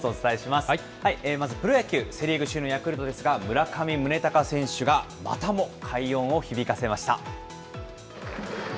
まずプロ野球、セ・リーグ首位のヤクルトですが、村上宗隆選手がまたも快音を響かせました。